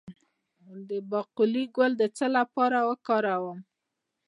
د باقلي ګل د څه لپاره وکاروم؟